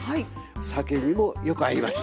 酒にもよく合います。